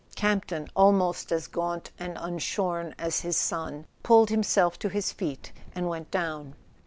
Camp ton, almost as gaunt and unshorn as his son, pulled himself to his feet and went down.